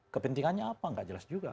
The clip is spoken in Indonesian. kepentingannya apa nggak jelas juga